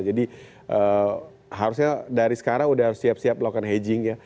jadi harusnya dari sekarang udah siap siap melakukan hedging ya